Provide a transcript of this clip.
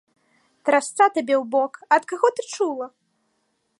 Трасца табе ў бок, ад каго ты чула?